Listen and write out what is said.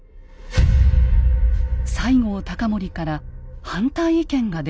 西郷隆盛から反対意見が出たのです。